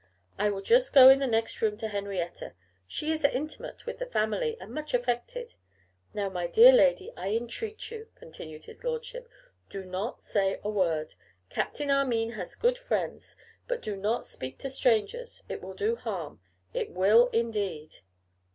I will just go in the next room to Henrietta. She is intimate with the family, and much affected. Now, my dear lady, I entreat you,' continued his lordship, 'do not say a word. Captain Armine has good friends, but do not speak to strangers. It will do harm; it will indeed.